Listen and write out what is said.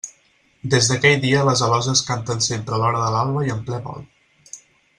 »Des d'aquell dia les aloses canten sempre a l'hora de l'alba i en ple vol.